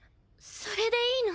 それでいいの？